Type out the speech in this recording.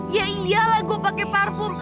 ya iyalah gue pakai parfum